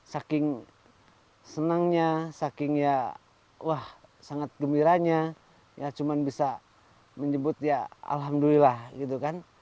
saking senangnya saking ya wah sangat gembiranya ya cuma bisa menyebut ya alhamdulillah gitu kan